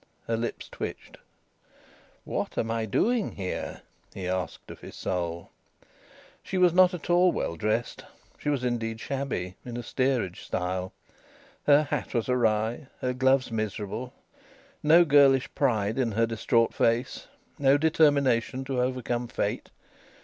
Her lips twitched. "What am I doing here?" he asked of his soul. She was not at all well dressed. She was indeed shabby in a steerage style. Her hat was awry; her gloves miserable. No girlish pride in her distraught face. No determination to overcome Fate.